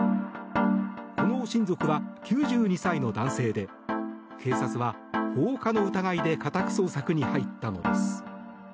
この親族は９２歳の男性で警察は、放火の疑いで家宅捜索に入ったのです。